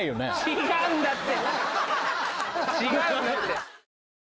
違うんだって。